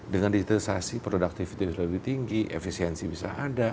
dengan digitalisasi produktivitas lebih tinggi efisiensi bisa ada